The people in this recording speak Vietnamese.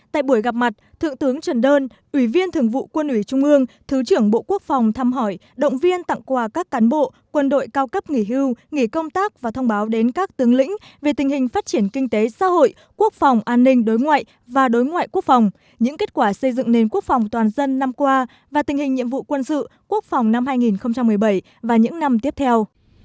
tại buổi gặp mặt thượng tướng trần đơn ủy viên thường vụ quân ủy trung ương thứ trưởng bộ quốc phòng thăm hỏi động viên tặng quà các cán bộ quân đội cao cấp nghỉ hưu nghỉ công tác và thông báo đến các tướng lĩnh về tình hình phát triển kinh tế xã hội quốc phòng an ninh đối ngoại và đối ngoại quốc phòng những kết quả xây dựng nền quốc phòng toàn dân năm qua và tình hình nhiệm vụ quân sự quốc phòng năm hai nghìn một mươi bảy và những năm tiếp theo